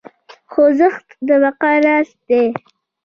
خوځښت د بقا راز دی.